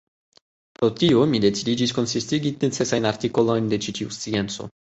Pro tio mi decidiĝis konsistigi necesajn artikolojn de ĉi tiu scienco.